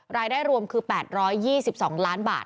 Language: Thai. รายได้รวมคือ๘๒๒ล้านบาท